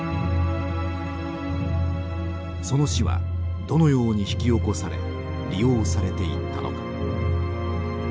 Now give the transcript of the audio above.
その死はどのように引き起こされ利用されていったのか。